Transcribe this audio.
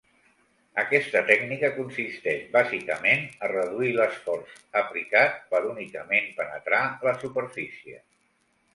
Aquesta tècnica consisteix bàsicament a reduir l'esforç aplicat per únicament penetrar la superfície.